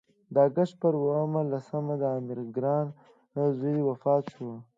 د اګست پر اووه لسمه د امیر ګران زوی وفات شو.